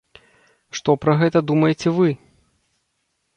Што пра гэта думаеце вы?